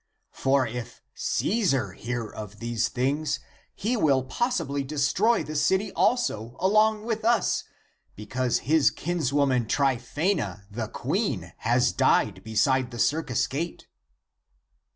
For if Caesar hear of these things, he will possibly destroy the city also along with us, because his kins woman Tryphsena [the Queen], has died beside the circus gate."